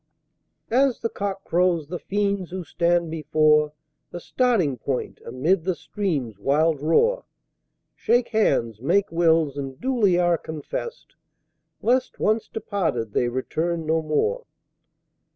As the Cock crows the "Fiends" who stand before The Starting Point, amid the Stream's wild roar, Shake hands, make wills, and duly are confess'd, Lest, once departed, they return no more.